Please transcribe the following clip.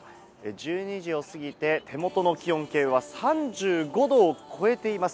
１２時を過ぎて、手元の気温計は３５度を超えています。